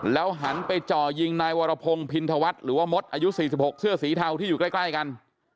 หันไปจ่อยิงนายวรพงศ์พินธวัฒน์หรือว่ามดอายุ๔๖เสื้อสีเทาที่อยู่ใกล้กัน